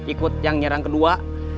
ikut yang nyerang kedua